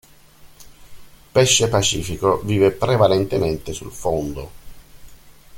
Pesce pacifico, vive prevalentemente sul fondo.